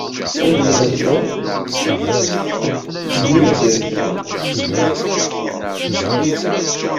Awal azzdad d: Muiriel.